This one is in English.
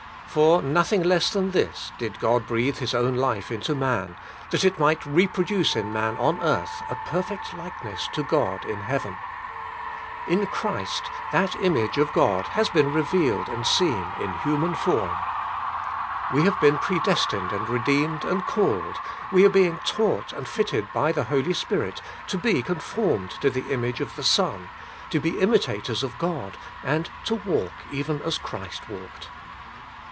For nothing less than this, did God breathe His own life into man, that it might reproduce in man on earth a perfect likeness to God in heaven. Jn Christ, that image of God has been revealed The Daily Renewal — The Pattern 127 and seen in human form. "We have been predes tined and redeemed and called, we are being taught and fitted by the Holy Spirit, to be con formed to the image of the Son, to be imitators of God, and to walk even as Christ walked.